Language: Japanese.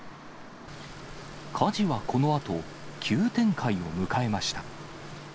火事はこのあと、急展開を迎えました。